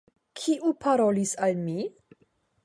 Kiu parolis al mi?